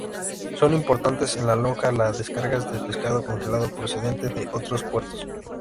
Son importantes en la lonja las descargas de pescado congelado procedente de otros puertos.